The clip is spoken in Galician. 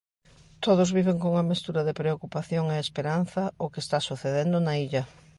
Todos viven cunha mestura de preocupación e esperanza o que está sucedendo na illa.